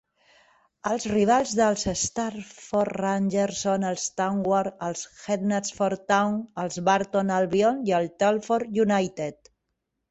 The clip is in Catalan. Els rivals dels Stafford Rangers són el Tamworth, el Hednesford Town, el Burton Albion i el Telford United.